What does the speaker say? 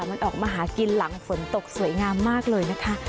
มันออกมาหากินหลังฝนตกสวยงามมากเลยนะคะ